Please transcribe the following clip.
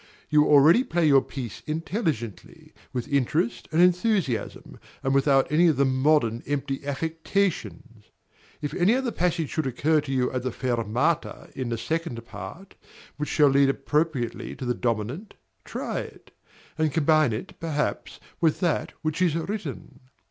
You already play your piece intelligently, with interest and enthusiasm, and without any of the modern, empty affectations. If any other passage should occur to you at the fermata in the second part, which shall lead appropriately to the dominant, try it; and combine it, perhaps, with that which is written.